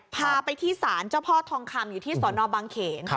พาไปที่ศาลเจ้าพ่อทองคำอยู่ที่สอนอบางเขน